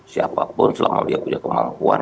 siapapun selama dia punya kemampuan